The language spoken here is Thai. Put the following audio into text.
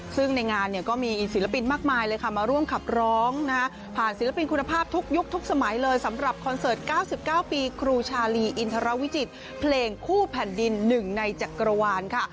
ซึ่งในงานเนี่ยก็มีศิลปินมากมายเลยค่ะมาร่วมขับร้องผ่านศิลปินคุณภาพทุกยุคทุกสมัยเลยสำหรับคอนเสิร์ต๙๙ปีครูชาลีอินทรวิจิตรเพลงคู่แผ่นดิน๑ในจักรวาลค่ะ